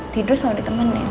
tidur sama temennya